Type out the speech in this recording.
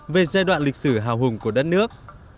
về giai đoạn lịch sử hào hùng của đất nước